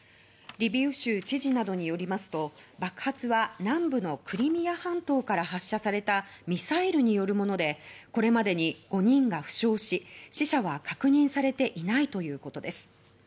リビウ州知事などによりますと爆発は南部のクリミア半島から発射されたミサイルによるものでこれまでに５人が負傷し死者は確認されていないということです。